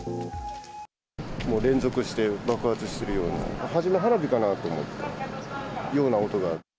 もう連続して爆発しているような、初め、花火かなと思ったような音が。